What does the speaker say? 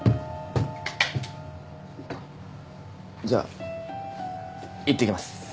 じゃいってきます。